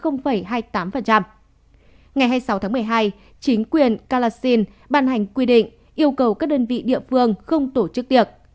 ngày hai mươi sáu tháng một mươi hai chính quyền karaxi bàn hành quy định yêu cầu các đơn vị địa phương không tổ chức tiệc